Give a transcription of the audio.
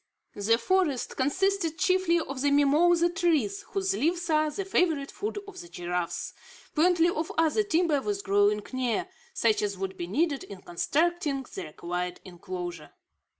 The forest consisted chiefly of mimosa trees, whose leaves are the favourite food of the giraffe. Plenty of other timber was growing near, such as would be needed in constructing the required inclosure.